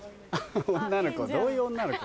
女の子どういう女の子？